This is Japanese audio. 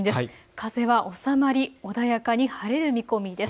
風は収まり穏やかに晴れる見込みです。